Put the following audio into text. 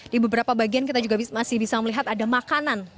di beberapa bagian kita juga masih bisa melihat ada makanan